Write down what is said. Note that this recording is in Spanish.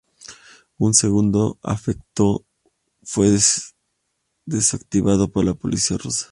Un segundo artefacto fue desactivado por la policía rusa.